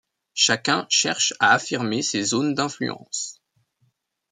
Chacun cherche à affirmer ses zones d’influence.